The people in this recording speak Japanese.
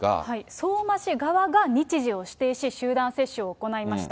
相馬市側が日時を指定し、集団接種を行いました。